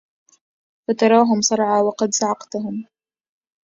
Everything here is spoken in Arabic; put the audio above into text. فتراهم صرعى وقد صعقتهم